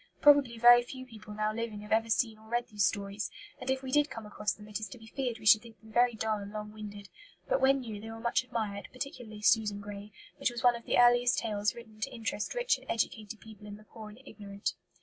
Probably very few people now living have ever seen or read these stories; and if we did come across them it is to be feared we should think them very dull and long winded. But when new they were much admired, particularly Susan Grey, which was one of the earliest tales written to interest rich and educated people in the poor and ignorant.